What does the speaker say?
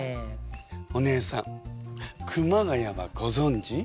お姉さん熊谷はごぞんじ？